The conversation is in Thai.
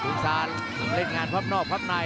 ภูมิสารเล่นงานพร้อมหนอบพร้อมนาย